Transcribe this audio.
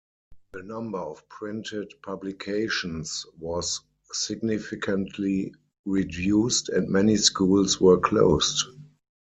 The number of printed publications was significantly reduced and many schools were closed.